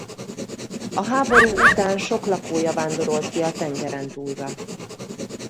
A háború után sok lakója vándorolt ki a tengerentúlra.